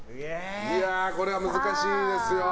これは難しいですよ。